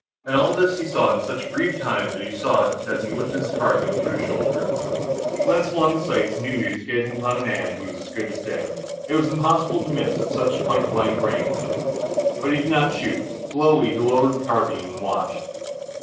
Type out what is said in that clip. And all this he saw in such brief time, that he saw it as he lifted his carbine to his shoulder. He glanced along the sights, and knew that he was gazing upon a man who was as good as dead. It was impossible to miss at such point blank range. But he did not shoot. Slowly he lowered the carbine and watched.